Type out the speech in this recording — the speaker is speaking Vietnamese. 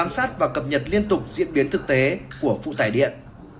sát và cập nhật liên tục diễn biến thực tế của phụ tải điện